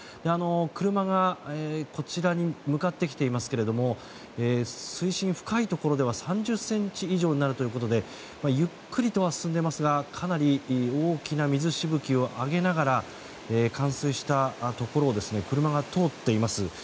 車が、こちらに向かってきていますが水深が深いところでは３０ｃｍ以上になるということでゆっくりとは進んでいますがかなり大きな水しぶきを上げながら、冠水したところを車が通っています。